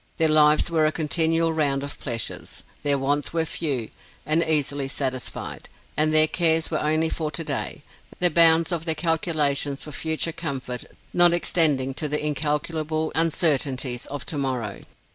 Their lives were a continual round of pleasures. Their wants were few, and easily satisfied; and their cares were only for to day; the bounds of their calculations for future comfort not extending to the incalculable uncertainties of to morrow.